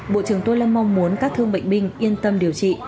bộ trưởng tô lâm mong muốn các thương bệnh binh yên tâm điều trị